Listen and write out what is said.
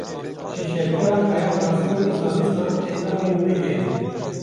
Ji çepgiran heya rastgir û Îslamîstan, endamên wê hene